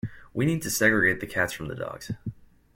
We need to segregate the cats from the dogs.